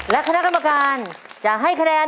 และคณะกรรมการจะให้คะแนน